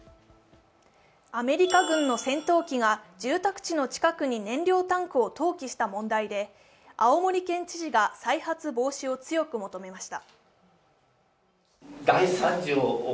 アメリカ軍の戦闘機が住宅地の近くに燃料タンクを投棄した問題で青森県知事が再発防止を強く求めました。